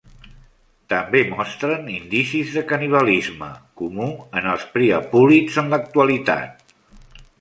També mostren indicis de canibalisme, comú en els priapúlids en l'actualitat.